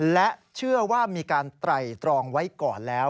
และเชื่อว่ามีการไตรตรองไว้ก่อนแล้ว